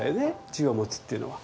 銃を持つっていうのは。